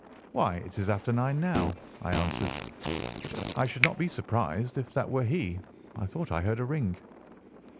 "Why, it is after nine now," I answered. "I should not be surprised if that were he. I thought I heard a ring."